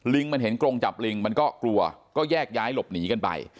มันเห็นกรงจับลิงมันก็กลัวก็แยกย้ายหลบหนีกันไป